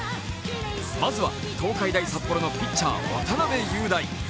まずは、東海大札幌のピッチャー、渡部雄大。